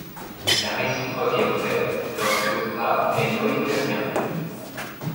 La réciproque est vraie lorsque A est noethérien.